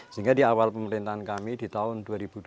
sehingga di awal pemerintahan kami di tahun dua ribu dua puluh